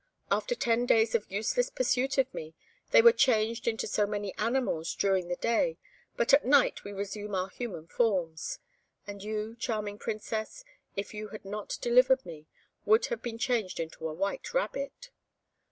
After ten days of useless pursuit of me, they were changed into so many animals during the day; but at night we resume our human forms: and you, charming Princess, if you had not delivered me, would have been changed into a white rabbit."